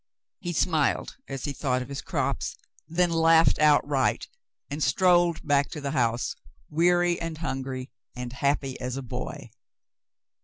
He smiled as he thought of his crops, then laughed outright, and strolled back to the house, weary and hungry, and happy as a boy.